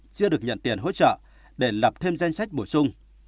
chưa được nhận tiền hỗ trợ để lập thêm danh sách bổ sung